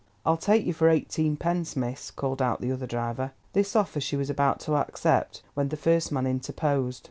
"I'll take yer for eighteenpence, miss," called out the other driver. This offer she was about to accept when the first man interposed.